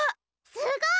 すごい！